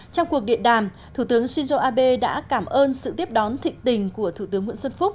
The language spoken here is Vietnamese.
trong cuộc điện đàm thủ tướng shinzo abe đã cảm ơn sự tiếp đón thịnh tình của thủ tướng nguyễn xuân phúc